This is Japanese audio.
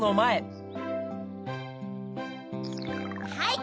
はい。